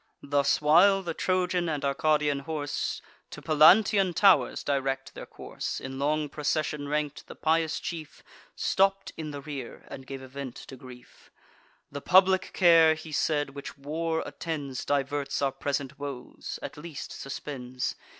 Thus while the Trojan and Arcadian horse To Pallantean tow'rs direct their course, In long procession rank'd, the pious chief Stopp'd in the rear, and gave a vent to grief: "The public care," he said, "which war attends, Diverts our present woes, at least suspends.